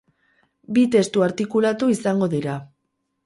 Bi testu artikulatu izango dira.